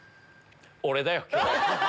俺だよ今日。